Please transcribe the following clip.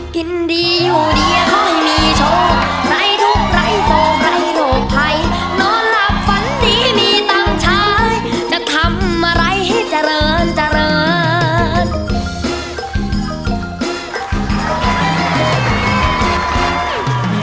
กินดีอยู่ดีขอให้มีโชคใส่ทุกข์ใส่โศคให้โรคไพรนอนหลับฝันดีมีตำชายจะทำอะไรให้เจริญเจริญ